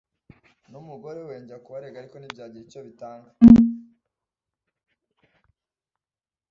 n’umugore we njya kubarega ariko ntibyagira icyo bitanga